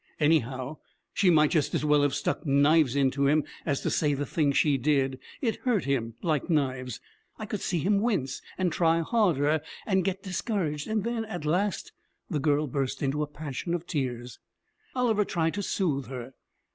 'Anyhow, she might just as well have stuck knives into him as to say the things she did. It hurt him like knives, I could see him wince and try harder and get discouraged and then, at last ' The girl burst into a passion of tears. Oliver tried to soothe her.